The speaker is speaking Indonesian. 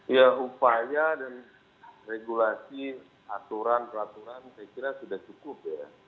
ya upaya dan regulasi aturan peraturan saya kira sudah cukup ya